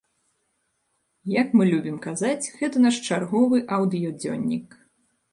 Як мы любім казаць, гэта наш чарговы аўдыёдзённік.